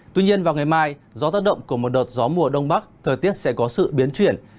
tuy nhiên vào ngày mai gió tác động của một đợt gió mùa đông bắc thời tiết sẽ có sự biến chuyển